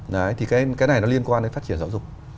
đấy thì cái này nó liên quan đến phát triển giáo dục